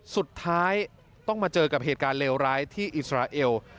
สุดท้ายต้องมาเจอกับเหตุการณ์เลวร้ายที่อิสราเอล